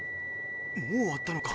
もう終わったのか？